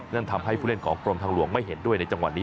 นั่นทำให้ผู้เล่นของกรมทางหลวงไม่เห็นด้วยในจังหวะนี้